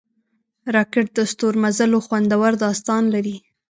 راکټ د ستورمزلو خوندور داستان لري